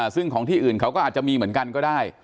ซึ่งของที่อื่นเขาก็อาจจะมีเหมือนกันก็ได้